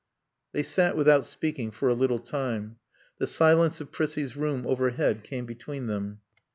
They sat without speaking for a little time. The silence of Prissie's room overhead came between them.